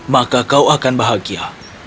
maka kau akan bahagia